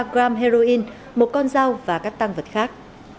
hai mươi ba gram heroin một con dao và các tăng vật khác